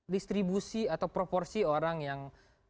distribusi atau proporsi orang yang